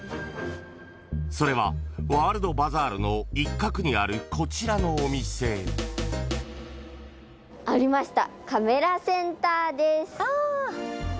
［それはワールドバザールの一角にあるこちらのお店］ありました。